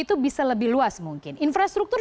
itu bisa lebih luas mungkin infrastruktur